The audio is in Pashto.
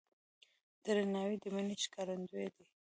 درناوی د مینې ښکارندوی دی.